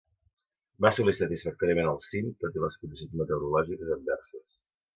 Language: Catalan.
Va assolir satisfactòriament el cim tot i les condicions meteorològiques adverses.